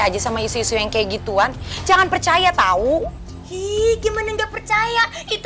aja sama isu isu yang kayak gituan jangan percaya tahu iih gimana enggak percaya itu